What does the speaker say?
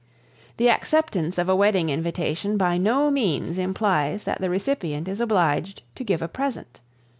The acceptance of a wedding invitation by no means implies that the recipient is obliged to give a present.